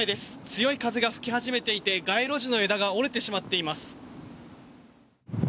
強い風が吹き始めていて街路樹の枝が折れてしまっています。